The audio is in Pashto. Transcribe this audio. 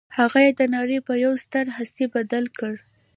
هغه يې د نړۍ پر يوه ستره هستي بدل کړ.